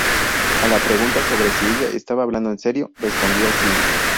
A la pregunta sobre si ella estaba hablando en serio, respondió: "Sí.